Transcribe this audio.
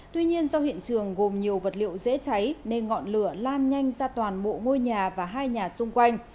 tuy nhiên do hiện trường gồm nhiều vật liệu dễ cháy nên ngọn lửa lan nhanh ra toàn mộ ngôi nhà và hai nhà xung quanh